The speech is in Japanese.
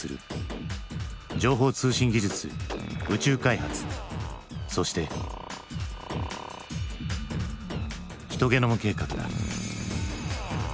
情報通信技術宇宙開発そして。ヒトゲノム計画だ。